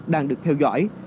đang được theo dõi